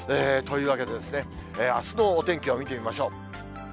というわけで、あすのお天気を見てみましょう。